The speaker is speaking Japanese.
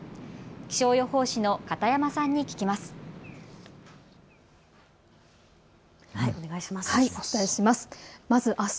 気象予報士の片山さんに聞きます。